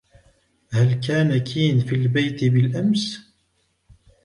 هل كان كين في البيت بالأمس؟